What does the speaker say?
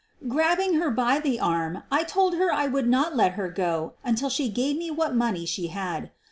Grabbing her by the arm I told her I would not let her go until she gave me what money she had.